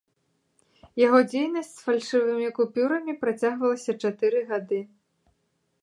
Яго дзейнасць з фальшывымі купюрамі працягвалася чатыры гады.